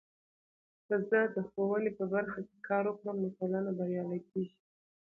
که زه د ښوونې په برخه کې کار وکړم، نو ټولنه بریالۍ کیږي.